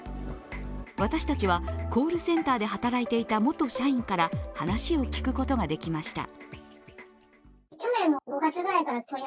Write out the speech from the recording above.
私たちはコールセンターで働いていた元社員から話を聞くことが出来ました。